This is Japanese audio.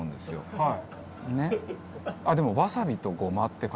はい。